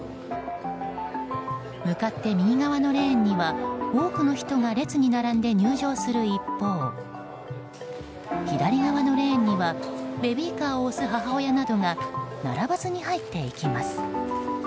向かって右側のレーンには多くの人が列に並んで入場する一方左側のレーンにはベビーカーを押す母親などが並ばずに入っていきます。